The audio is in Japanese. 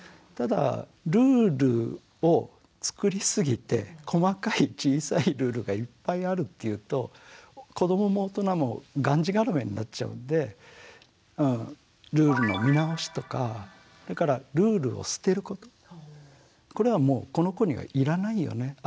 ただルールを作りすぎて細かい小さいルールがいっぱいあるっていうと子どもも大人もがんじがらめになっちゃうんでルールの見直しとかそれからルールを捨てることこれはもうこの子にはいらないよね